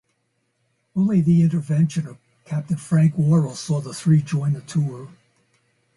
Only the intervention of captain Frank Worrell saw the three join the tour.